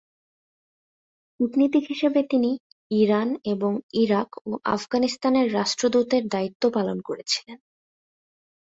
কূটনীতিক হিসাবে তিনি ইরান এবং ইরাক ও আফগানিস্তানের রাষ্ট্রদূতের দায়িত্ব পালন করেছিলেন।